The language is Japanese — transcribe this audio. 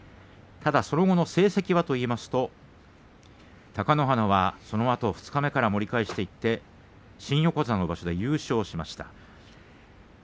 ただその後の成績はといいますと貴乃花は、その後二日目から盛り返して新横綱場所で優勝しています。